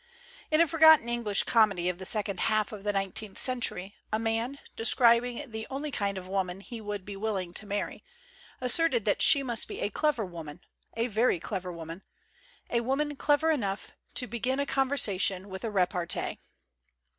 In a forgotten English comedy of the second half of the nineteenth century, a man, describ ing the only kind of woman he would be willing to marry, asserted that she must be a clever woman, a very clever woman "a woman clever enough to begin a conversation with a repartee